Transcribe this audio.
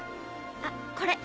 あっこれ！